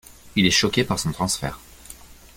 Il est choqué par son transfert.